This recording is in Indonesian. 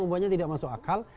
membuatnya tidak masuk akal